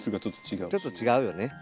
ちょっと違うよね。